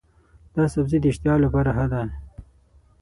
دا سبزی د اشتها لپاره ښه دی.